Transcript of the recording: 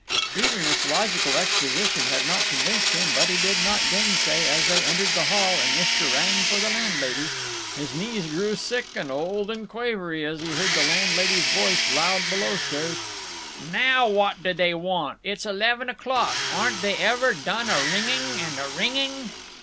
Even this logical exposition had not convinced him, but he did not gainsay as they entered the hall and Istra rang for the landlady. His knees grew sick and old and quavery as he heard the landlady's voice loud below stairs: "Now wot do they want? It's eleven o'clock. Aren't they ever done a ringing and a ringing?"